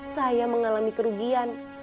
saya mengalami kerugian